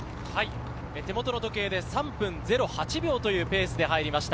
手元の時計で３分０８秒というペースで入りました。